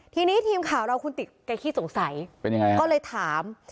ทีนี้ทีมข่าวเราคุณติกแกขี้สงสัยเป็นยังไงก็เลยถาม